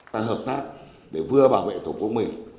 chúng ta hợp tác để vừa bảo vệ thống quốc mình